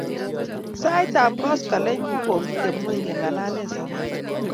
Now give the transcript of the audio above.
Sait ap koskoling ko kogitepng'ony keng'alale sobet